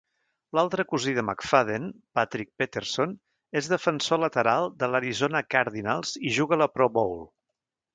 L'altre cosí de McFadden, Patrick Peterson, és defensor lateral de l'Arizona Cardinals i juga la Pro Bowl.